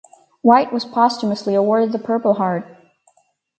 White was posthumously awarded the Purple Heart.